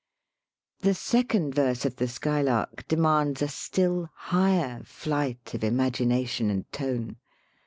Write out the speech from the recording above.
The second verse of the "Skylark" de mands a still higher flight of imagination and tone.